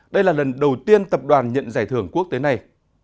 đây là lần đầu tiên tập đoàn nhận giải thưởng quốc tế này